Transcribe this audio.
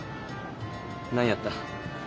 何やった。